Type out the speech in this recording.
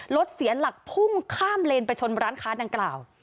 รถเสียหลักพุ่งข้ามเลนไปชนร้านค้าดังกล่าว